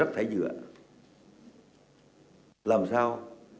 rác thải nhựa làm sao